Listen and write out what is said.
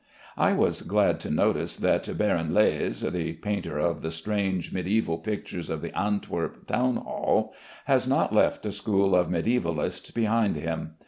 I was glad to notice that Baron Leys, the painter of the strange mediæval pictures of the Antwerp town hall, has not left a school of mediævalists behind him.